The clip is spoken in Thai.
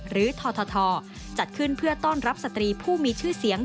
ททจัดขึ้นเพื่อต้อนรับสตรีผู้มีชื่อเสียง